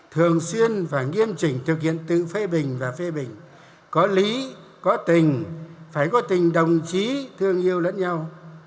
thường xuyên và nghiêm trình thực hiện tự phê bình và phê bình có lý có tình phải có tình đồng chí thương yêu lẫn nhau